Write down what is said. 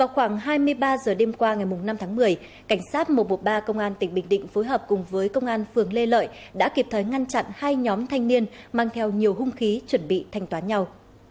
cảnh sát một trăm một mươi ba tỉnh bình định phối hợp với công an phường lê lợi đã kịp thời ngăn chặn hai nhóm thanh niên mang theo nhiều hung khí chuẩn bị thanh toán nhau